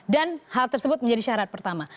dan hal tersebut menjadi syarat pertama